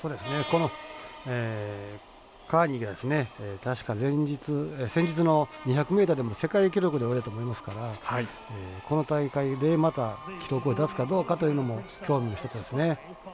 このカーニーが確か先日の２００ｍでも世界記録で泳いだと思いますからこの大会でまた記録を出すかどうかというのも興味の一つですね。